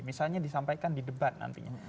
misalnya disampaikan di debat nantinya